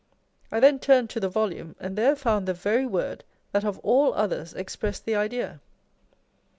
I then turned to the volume, and there found the very word that of all others expressed the idea.